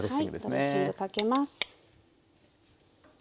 はいドレッシングかけます。